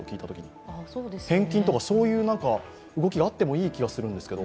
返金とかいう動きがあってもいい気がするんですけど。